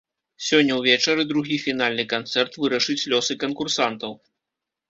Сёння ўвечары другі фінальны канцэрт вырашыць лёсы канкурсантаў.